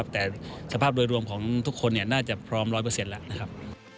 แต่สภาพโดยรวมของทุกคนเนี่ยน่าจะพร้อมร้อยเปอร์เซ็นต์แล้วนะครับ